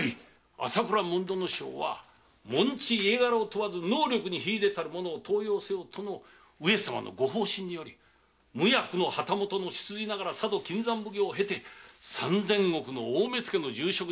朝倉主水正は門地家柄を問わず能力に秀でたる者を登用せよとの上様のご方針により無役の旗本の血筋ながら佐渡金山奉行を経て三千石の大目付の重職に就いた男。